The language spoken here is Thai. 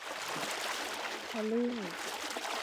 ทะลึ่ง